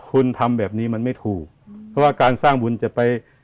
คุณทำแบบนี้มันไม่ถูกเพราะว่าการสร้างบุญจะไป